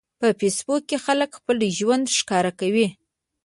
په فېسبوک کې خلک خپل ژوند ښکاره کوي.